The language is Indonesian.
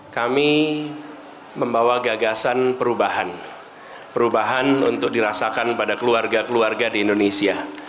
kami membawa gagasan perubahan untuk dirasakan pada keluarga keluarga di indonesia